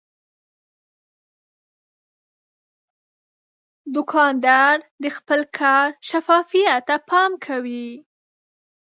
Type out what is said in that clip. دوکاندار د خپل کار شفافیت ته پام کوي.